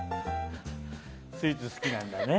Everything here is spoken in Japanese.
スイーツ、好きなんだね。